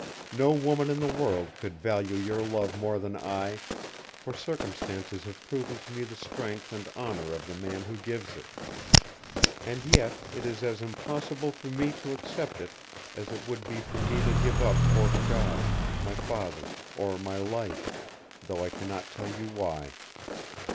No woman in the world could value your love more than I, for circumstances have proven to me the strength and honor of the man who gives it. And yet it is as impossible for me to accept it as it would be for me to give up Fort o' God, my father, or my life, though I cannot tell you why.